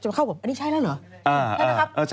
จะเข้าบอกว่าอันนี้ใช่แล้วเหรอ